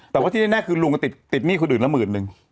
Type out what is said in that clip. แต่ว่าที่แน่คือลุงก็ติดหนี้คนอื่นละหมื่นนึง